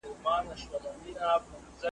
هومره ډار نه وي د دښت له لړمانو `